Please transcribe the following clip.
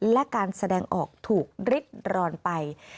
และการแสดงออกถูกริดร้อนไป